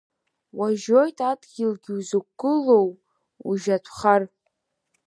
Уажьоит адгьылгьы узықәгыло, ужьатәхар…